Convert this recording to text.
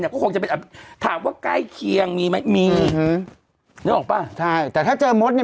ก็คงจะเป็นถามว่าใกล้เคียงมีไหมมีนึกออกป่ะใช่แต่ถ้าเจอมดเนี่ย